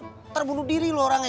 ntar bunuh diri loh orangnya